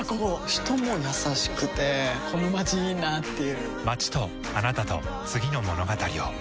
人も優しくてこのまちいいなぁっていう